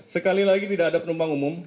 sekali lagi tidak ada penumpang umum